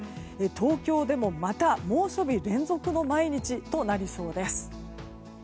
東京でもまた猛暑日連続の毎日となりそうです。